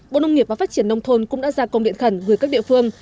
bộ nông nghiệp và phát triển nông thôn cũng đã ra công điện khẩn gửi các địa phương